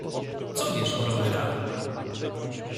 Co wiesz o rowerach?